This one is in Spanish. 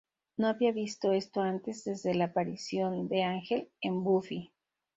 No había visto esto antes desde la aparición de Ángel, en Buffy.